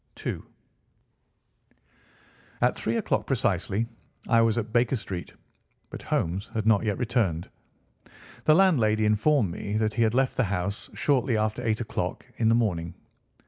II. At three o'clock precisely I was at Baker Street, but Holmes had not yet returned. The landlady informed me that he had left the house shortly after eight o'clock in the morning.